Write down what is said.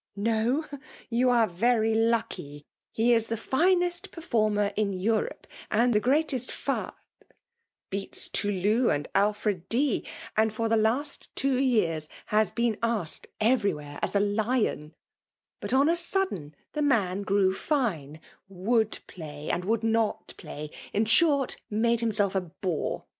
— No? — You are very lucky ! He is the finest performer in Europe, and the greatest fed — beats Tulou and Alfred D^ — ^aad for the last two years has been asked everywhere as a lion 1 But on a sudden the man grew fine — wauid play and would twt play — ^in ahort» made himself a bore.